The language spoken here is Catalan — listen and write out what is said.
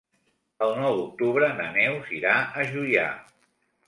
El nou d'octubre na Neus irà a Juià.